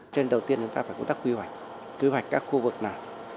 trên đầu tiên chúng ta phải có các quy hoạch quy hoạch các khu vực nào